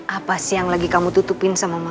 apa sih yang lagi kamu tutupin sama mama